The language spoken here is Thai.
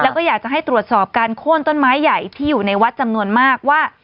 แล้วก็อยากจะให้ตรวจสอบการโค้นต้นไม้ใหญ่ที่อยู่ในวัดจำนวนมากว่า